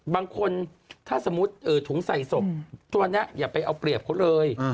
บางคนถ้าสมมุติถุงใส่ศพตัวนี้อย่าไปเอาเปรียบเขาเลย